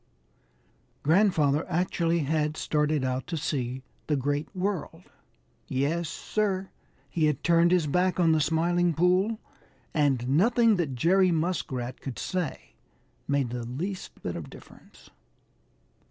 Grandfather actually had started out to see the Great World. Yes, Sir, he had turned his back on the Smiling Pool, and nothing that Jerry Muskrat could say made the least bit of difference.